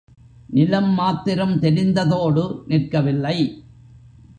நிலம் மாத்திரம் தெரிந்ததோடு நிற்கவில்லை.